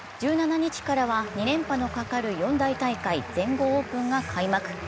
１７日からは２連覇のかかる４大大会、全豪オープンが開幕。